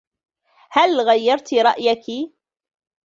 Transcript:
هل غيّرتِ رأيكِ؟